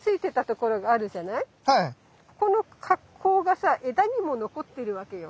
ここの格好がさ枝にも残ってるわけよ。